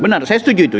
benar saya setuju itu